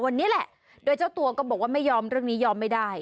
วันนี้แหละโดยเจ้าตัวก็บอกว่าไม่ยอมเรื่องนี้ยอมไม่ได้